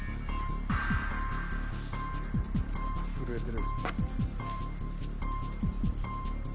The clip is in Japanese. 震えてる。